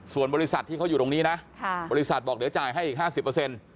ส่วนบริษัทที่เขาอยู่ตรงนี้นะบริษัทบอกเดี๋ยวจ่ายให้อีก๕๐